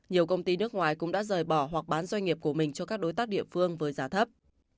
nhiều công ty nước ngoài cũng đã rời bỏ hoặc bán doanh nghiệp của mình cho các đối tác địa phương với giá thấp